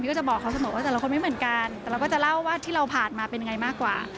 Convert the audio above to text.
แต่เราก็จะเล่าว่าที่เราผ่านมาเป็นอย่างไรมากกว่า